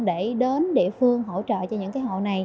để đến địa phương hỗ trợ cho những hộ này